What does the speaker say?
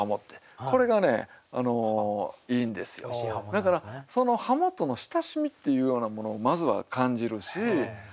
だからその鱧との親しみっていうようなものをまずは感じるし。